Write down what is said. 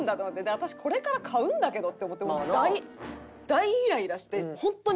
「私これから買うんだけど」って思って大イライラして。